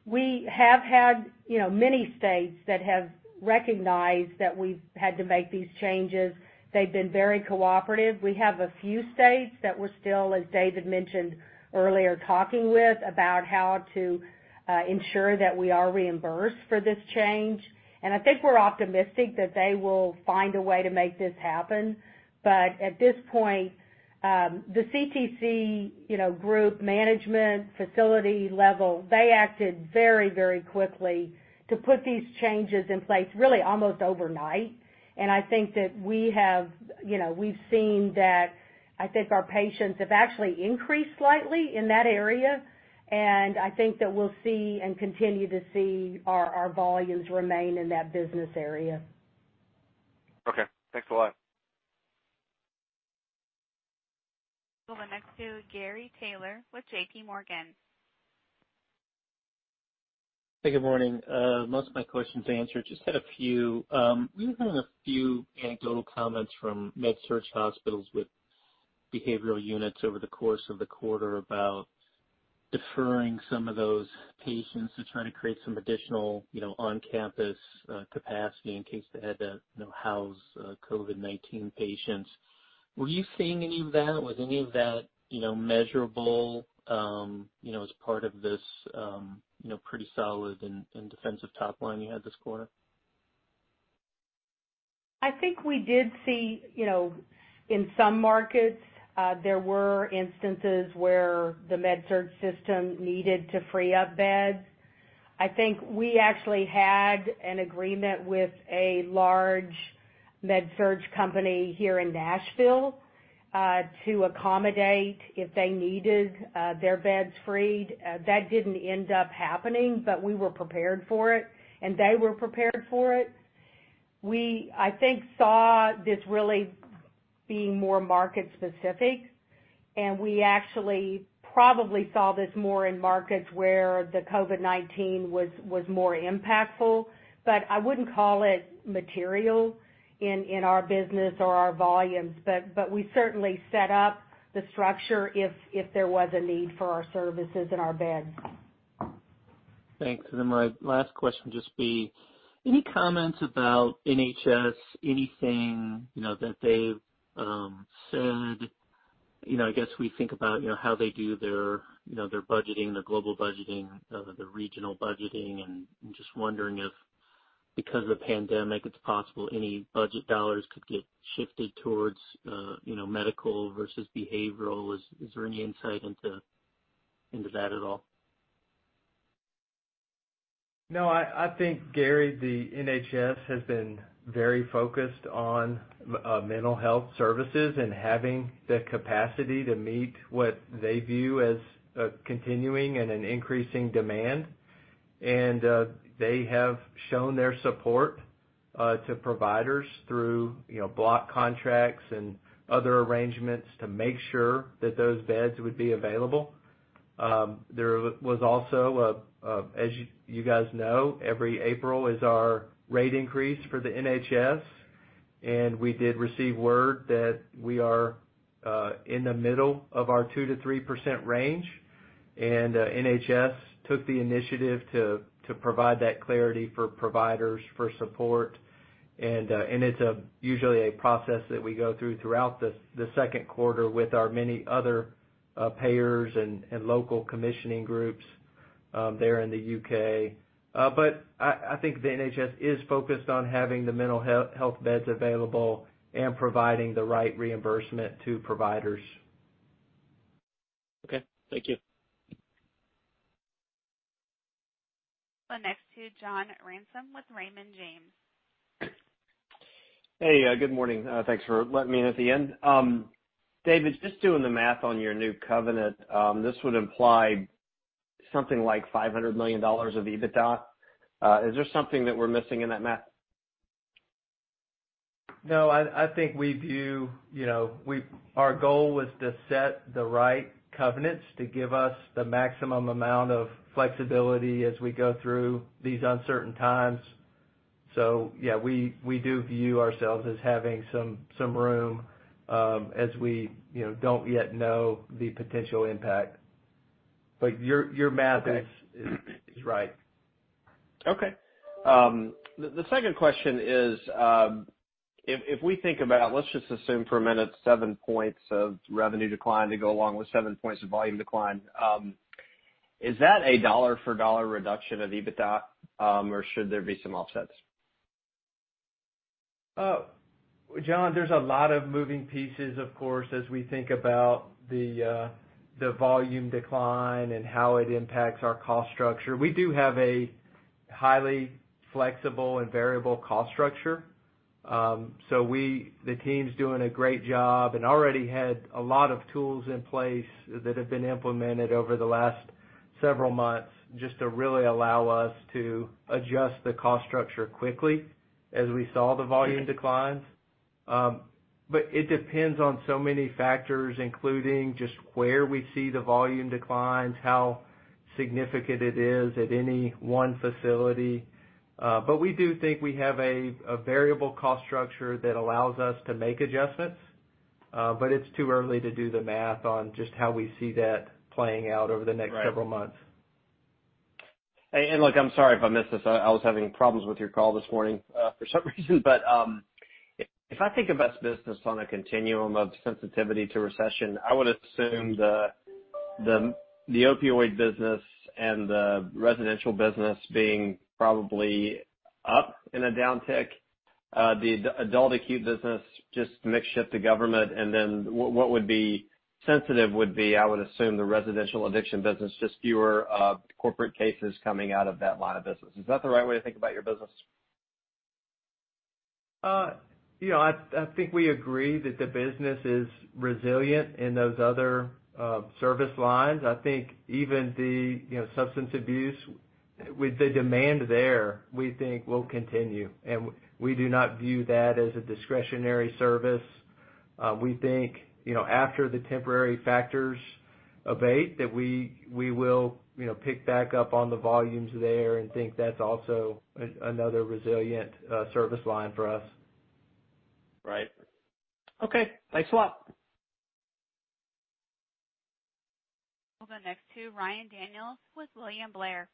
C: We have had many states that have recognized that we've had to make these changes. They've been very cooperative. We have a few states that we're still, as David mentioned earlier, talking with about how to ensure that we are reimbursed for this change. I think we're optimistic that they will find a way to make this happen. At this point, the CTC group management facility level, they acted very quickly to put these changes in place, really almost overnight. I think that we've seen that our patients have actually increased slightly in that area. I think that we'll see and continue to see our volumes remain in that business area.
K: Okay. Thanks a lot.
A: We'll go next to Gary Taylor with JPMorgan.
L: Hey, good morning. Most of my questions are answered. Just had a few. We've been having a few anecdotal comments from med-surg hospitals with behavioral units over the course of the quarter about deferring some of those patients to try to create some additional on-campus capacity in case they had to house COVID-19 patients. Were you seeing any of that? Was any of that measurable as part of this pretty solid and defensive top line you had this quarter?
C: I think we did see in some markets, there were instances where the med-surg system needed to free up beds. I think we actually had an agreement with a large med-surg company here in Nashville, to accommodate if they needed their beds freed. That didn't end up happening, but we were prepared for it, and they were prepared for it. We, I think, saw this really being more market specific, and we actually probably saw this more in markets where the COVID-19 was more impactful, but I wouldn't call it material in our business or our volumes. We certainly set up the structure if there was a need for our services and our beds.
L: Thanks. My last question, just be any comments about NHS, anything that they've said? I guess we think about how they do their budgeting, the global budgeting, the regional budgeting, and just wondering if because of the pandemic, it's possible any budget dollars could get shifted towards medical versus behavioral. Is there any insight into that at all?
D: I think, Gary, the NHS has been very focused on mental health services and having the capacity to meet what they view as a continuing and an increasing demand. They have shown their support to providers through block contracts and other arrangements to make sure that those beds would be available. There was also, as you guys know, every April is our rate increase for the NHS, and we did receive word that we are in the middle of our 2% to 3% range. NHS took the initiative to provide that clarity for providers for support. It's usually a process that we go through throughout the second quarter with our many other payers and local commissioning groups there in the U.K. I think the NHS is focused on having the mental health beds available and providing the right reimbursement to providers.
L: Okay. Thank you.
A: We'll go next to John Ransom with Raymond James.
M: Hey, good morning. Thanks for letting me in at the end. David, just doing the math on your new covenant, this would imply something like $500 million of EBITDA. Is there something that we're missing in that math?
D: No, I think our goal was to set the right covenants to give us the maximum amount of flexibility as we go through these uncertain times. Yeah, we do view ourselves as having some room, as we don't yet know the potential impact. Your math-
M: Okay
D: is right.
M: Okay. The second question is, if we think about, let's just assume for a minute, seven points of revenue decline to go along with seven points of volume decline. Is that a dollar for dollar reduction of EBITDA, or should there be some offsets?
D: John, there's a lot of moving pieces, of course, as we think about the volume decline and how it impacts our cost structure. We do have a highly flexible and variable cost structure. The team's doing a great job and already had a lot of tools in place that have been implemented over the last several months, just to really allow us to adjust the cost structure quickly as we saw the volume declines. It depends on so many factors, including just where we see the volume declines, how significant it is at any one facility. We do think we have a variable cost structure that allows us to make adjustments. It's too early to do the math on just how we see that playing out over the next several months.
M: Right. Hey, look, I'm sorry if I missed this. I was having problems with your call this morning, for some reason. If I think about business on a continuum of sensitivity to recession, I would assume the opioid business and the residential business being probably up in a downtick. The adult acute business, just mix shift to government, and then what would be sensitive would be, I would assume, the residential addiction business, just fewer corporate cases coming out of that line of business. Is that the right way to think about your business?
D: I think we agree that the business is resilient in those other service lines. I think even the substance abuse, with the demand there, we think will continue. We do not view that as a discretionary service. We think, after the temporary factors abate, that we will pick back up on the volumes there and think that's also another resilient service line for us.
M: Right. Okay, thanks a lot.
A: We'll go next to Ryan Daniels with William Blair.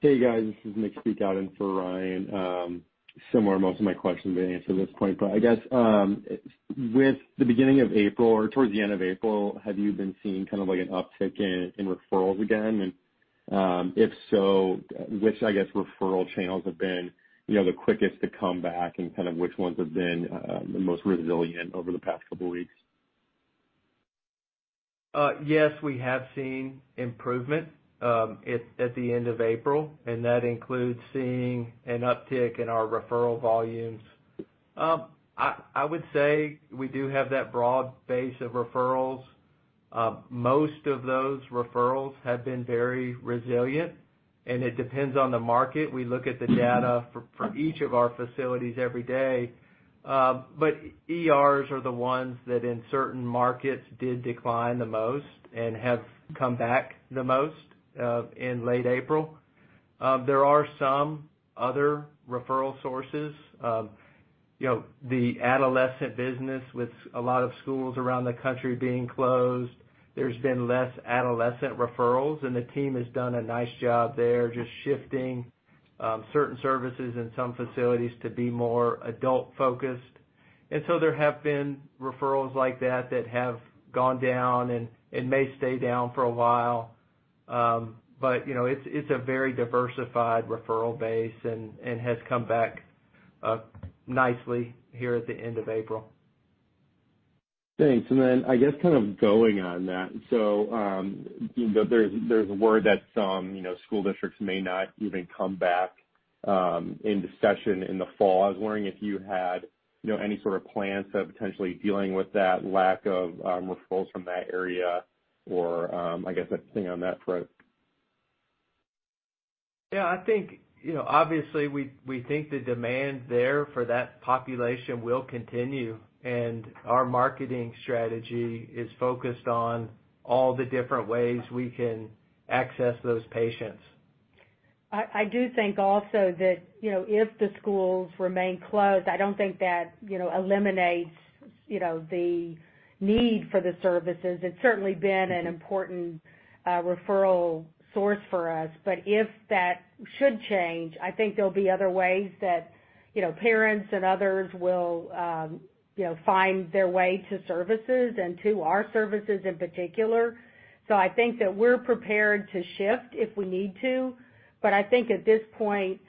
N: Hey, guys, this is Nick Spiekhout in for Ryan. Similar, most of my questions have been answered at this point. I guess, with the beginning of April or towards the end of April, have you been seeing an uptick in referrals again? If so, which, I guess, referral channels have been the quickest to come back and kind of which ones have been the most resilient over the past couple of weeks?
D: Yes, we have seen improvement at the end of April. That includes seeing an uptick in our referral volumes. I would say we do have that broad base of referrals. Most of those referrals have been very resilient. It depends on the market. We look at the data for each of our facilities every day. ERs are the ones that in certain markets did decline the most and have come back the most in late April. There are some other referral sources. The adolescent business with a lot of schools around the country being closed, there's been less adolescent referrals. The team has done a nice job there, just shifting certain services in some facilities to be more adult-focused. There have been referrals like that that have gone down and may stay down for a while. It's a very diversified referral base and has come back nicely here at the end of April.
N: Thanks. Then I guess kind of going on that, there's word that some school districts may not even come back into session in the fall. I was wondering if you had any sort of plans of potentially dealing with that lack of referrals from that area or, I guess, anything on that front?
D: Obviously we think the demand there for that population will continue, and our marketing strategy is focused on all the different ways we can access those patients.
C: I do think also that, if the schools remain closed, I don't think that eliminates the need for the services. It's certainly been an important referral source for us. If that should change, I think there'll be other ways that parents and others will find their way to services and to our services in particular. I think that we're prepared to shift if we need to. I think at this point,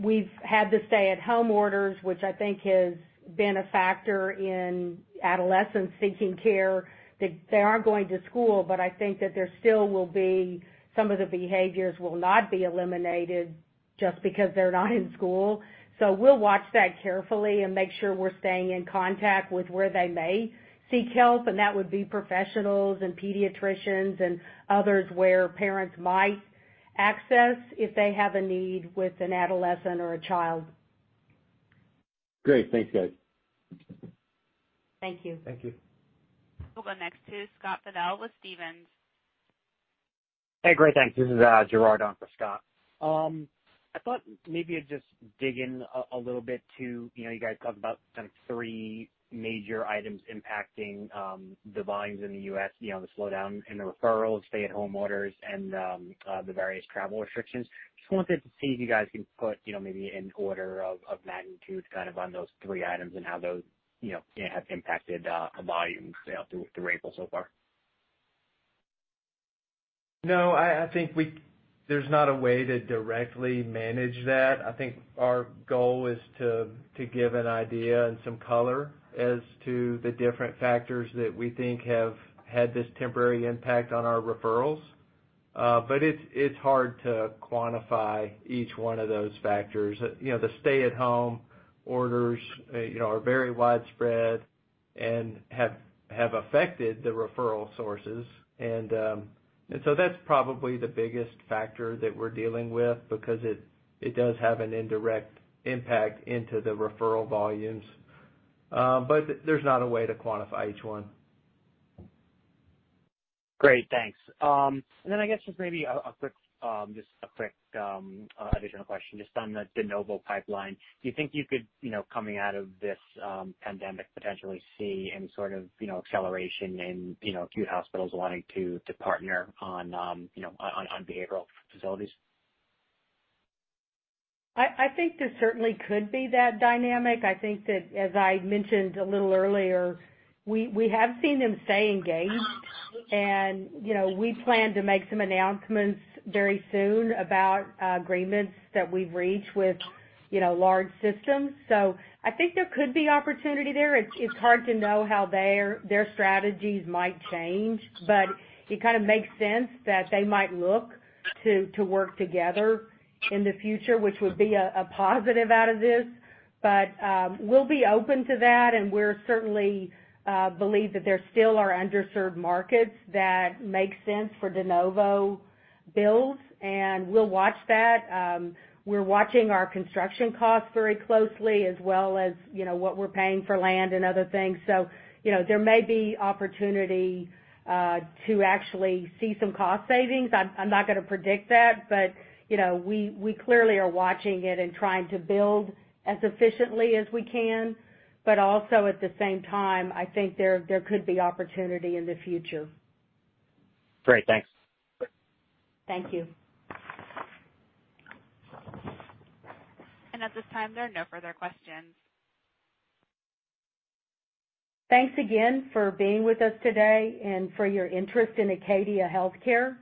C: we've had the stay-at-home orders, which I think has been a factor in adolescents seeking care. They aren't going to school, but I think that there still will be some of the behaviors will not be eliminated just because they're not in school. We'll watch that carefully and make sure we're staying in contact with where they may seek help, and that would be professionals and pediatricians and others where parents might access if they have a need with an adolescent or a child.
N: Great. Thanks, guys.
C: Thank you.
D: Thank you.
A: We'll go next to Scott Fidel with Stephens.
O: Hey, great, thanks. This is Gerard on for Scott. I thought maybe I'd just dig in a little bit to, you guys talked about kind of three major items impacting the volumes in the U.S., the slowdown in the referrals, stay-at-home orders, and the various travel restrictions. Just wanted to see if you guys can put maybe an order of magnitude kind of on those three items and how those have impacted volumes through April so far.
D: I think there's not a way to directly manage that. I think our goal is to give an idea and some color as to the different factors that we think have had this temporary impact on our referrals. It's hard to quantify each one of those factors. The stay-at-home orders are very widespread and have affected the referral sources. That's probably the biggest factor that we're dealing with because it does have an indirect impact into the referral volumes. There's not a way to quantify each one.
O: Great, thanks. I guess just maybe just a quick additional question just on the de novo pipeline. Do you think you could, coming out of this pandemic, potentially see any sort of acceleration in acute hospitals wanting to partner on behavioral facilities?
C: I think there certainly could be that dynamic. I think that, as I mentioned a little earlier, we have seen them stay engaged. We plan to make some announcements very soon about agreements that we've reached with large systems. I think there could be opportunity there. It's hard to know how their strategies might change, but it kind of makes sense that they might look to work together in the future, which would be a positive out of this. We'll be open to that, and we certainly believe that there still are underserved markets that make sense for de novo builds, and we'll watch that. We're watching our construction costs very closely, as well as what we're paying for land and other things. There may be opportunity to actually see some cost savings. I'm not going to predict that, but we clearly are watching it and trying to build as efficiently as we can. Also, at the same time, I think there could be opportunity in the future.
O: Great, thanks.
C: Thank you.
A: At this time, there are no further questions.
C: Thanks again for being with us today and for your interest in Acadia Healthcare.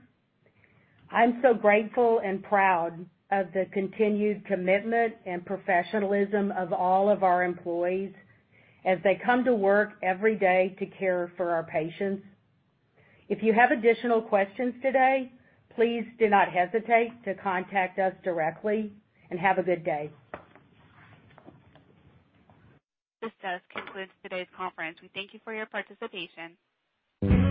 C: I'm so grateful and proud of the continued commitment and professionalism of all of our employees as they come to work every day to care for our patients. If you have additional questions today, please do not hesitate to contact us directly, and have a good day.
A: This does conclude today's conference. We thank you for your participation.